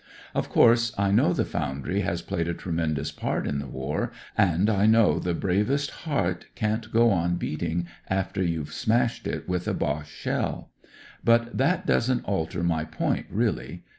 " Of course I know the foundry has played a tremendous part in the war, and I know the bravest heart can't go on beating after you've smashed it with a Boche shell. But that doesn't alter my point, really.